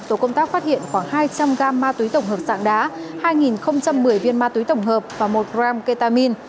tổ công tác phát hiện khoảng hai trăm linh g ma túy tổng hợp sạng đá hai một mươi viên ma túy tổng hợp và một gram ketamin